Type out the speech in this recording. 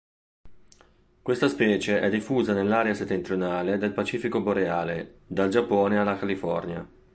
Questa specie è diffusa nell'area settentrionale del Pacifico boreale, dal Giappone alla California.